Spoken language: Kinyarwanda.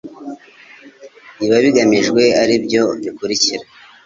ibiba bigamijwe ari byo bikurikira